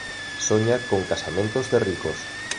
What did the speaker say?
Soña con casamentos de ricos.